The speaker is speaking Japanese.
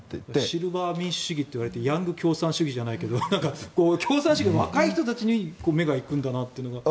シルバー民主主義といわれてヤング共産主義じゃないけど共産主義、若い人たちに目が行くんだなというのが。